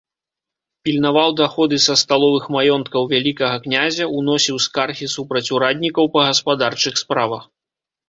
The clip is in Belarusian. Пільнаваў даходы са сталовых маёнткаў вялікага князя, уносіў скаргі супраць ураднікаў па гаспадарчых справах.